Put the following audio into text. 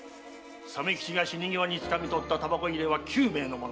鮫吉が死に際につかみ取った煙草入れは久兵衛の物。